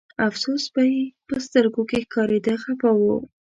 افسوس به یې په سترګو کې ښکارېده خپه و.